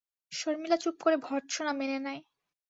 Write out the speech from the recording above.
শর্মিলা চুপ করে ভৎর্সনা মেনে নেয়।